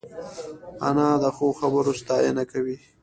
انا د ښو خبرو ستاینه کوي